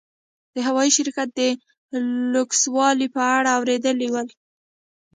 د هوايي شرکت د لوکسوالي په اړه اورېدلي ول.